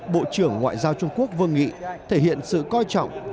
bộ trưởng ngoại giao trung quốc vương nghị thể hiện sự coi trọng